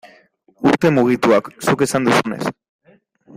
Urte mugituak, zuk esan duzunez.